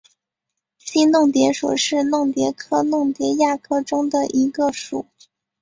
新弄蝶属是弄蝶科弄蝶亚科中的一个属。